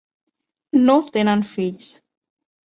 No tenen fills.